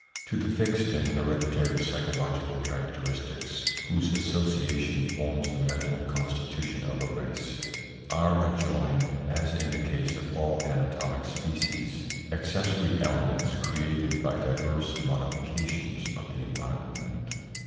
To the fixed and hereditary psychological characteristics, whose association forms the mental constitution of a race, are adjoined, as in the case of all anatomic species, accessory elements created by diverse modifications of the environment.